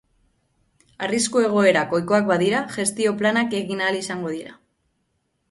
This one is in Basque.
Arrisku egoerak ohikoak badira, gestio planak egin ahal izango dira.